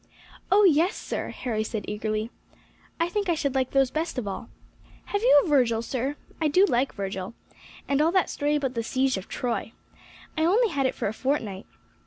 "Oh yes, sir," Harry said eagerly, "I think I should like those best of all. Have you a Virgil, sir? I do like Virgil, and all that story about the siege of Troy. I only had it for a fortnight.